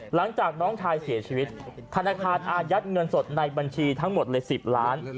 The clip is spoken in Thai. หลังจากน้องชายเสียชีวิตธนาคารอายัดเงินสดในบัญชีทั้งหมดเลย๑๐ล้าน